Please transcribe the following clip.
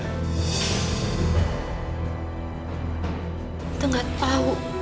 tante gak tahu